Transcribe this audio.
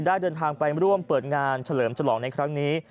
เดินทางไปร่วมเปิดงานเฉลิมฉลองในครั้งนี้